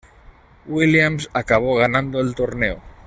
Williams acabó ganando el torneo.